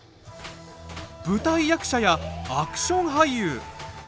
舞台役者やアクション俳優！